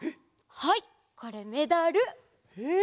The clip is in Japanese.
はいこれメダル。え！